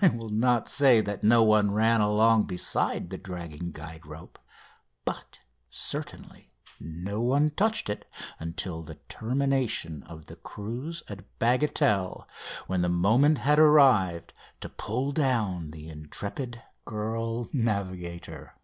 I will not say that no one ran along beside the dragging guide rope, but, certainly, no one touched it until the termination of the cruise at Bagatelle, when the moment had arrived to pull down the intrepid girl navigator.